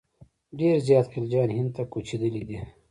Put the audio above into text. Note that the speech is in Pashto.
ډېر زیات خلجیان هند ته کوچېدلي دي.